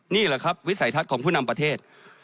นี่แหละครับวิสัยทัศน์ของผู้นำประเทศ